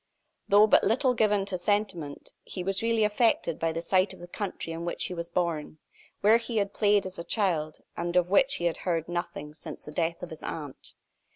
Though but little given to sentiment, he was really affected by the sight of the country in which he was born where he had played as a child, and of which he had heard nothing since the death of his aunt.